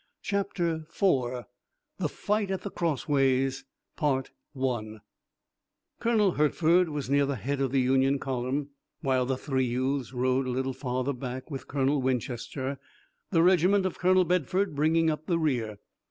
CHAPTER IV THE FIGHT AT THE CROSSWAYS Colonel Hertford was near the head of the Union column, while the three youths rode a little farther back with Colonel Winchester, the regiment of Colonel Bedford bringing up the rear.